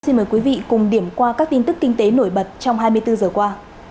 xin mời quý vị cùng điểm qua các tin tức kinh tế nổi bật trong hai mươi bốn giờ qua